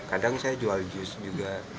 kadang saya jual jus juga